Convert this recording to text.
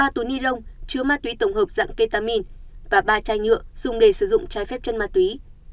ba túi ni lông chứa ma túy tổng hợp dạng ketamin và ba chai nhựa dùng để sử dụng trái phép chân ma túy